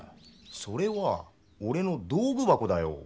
それはおれの道具箱だよ。